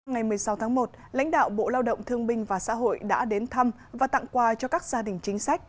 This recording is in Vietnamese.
ngày một mươi sáu tháng một lãnh đạo bộ lao động thương binh và xã hội đã đến thăm và tặng quà cho các gia đình chính sách